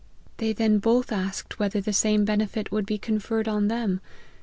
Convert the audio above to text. They then both asked whether the same benefit would be conferred on them